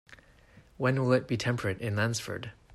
When will it be temperate in Lansford